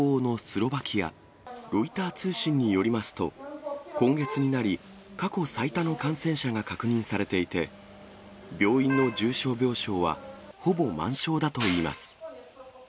ロイター通信によりますと、今月になり、過去最多の感染者が確認されていて、病院の重症病床は、ほぼ満床だといいます。